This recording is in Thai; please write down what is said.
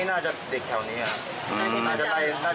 น่าจะไล่กันมา